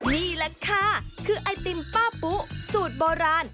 นี่แหละค่ะคือไอติมป้าปุ๊สูตรโบราณ